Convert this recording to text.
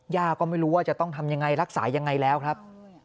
ย่าก็ไม่รู้ว่าจะต้องทำยังไงรักษายังไงแล้วครับ